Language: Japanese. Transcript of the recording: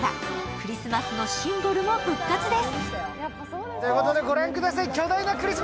クリスマスのシンボルも復活です。